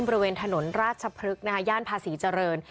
บริเวณถนนราชพฤกษ์ย่านภาษีเจริญ